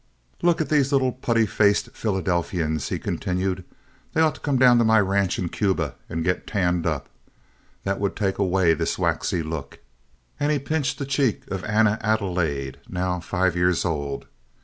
"Look at these little putty faced Philadelphians," he continued, "They ought to come down to my ranch in Cuba and get tanned up. That would take away this waxy look." And he pinched the cheek of Anna Adelaide, now five years old.